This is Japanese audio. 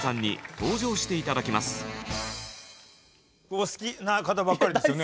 ここでお好きな方ばっかりですよね？